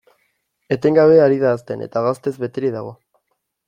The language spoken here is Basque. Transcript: Etengabe ari da hazten, eta gaztez beterik dago.